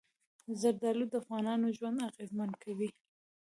زردالو د افغانانو ژوند اغېزمن کوي.